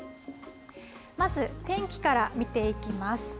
まず天気から見ていきます。